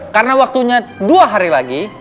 karena waktunya dua hari lagi